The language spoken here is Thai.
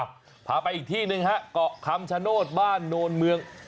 พาไปอีกที่หนึ่งฮะเกาะคำชโนธบ้านโนนเมือง